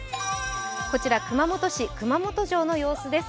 こちら熊本市・熊本城の様子です。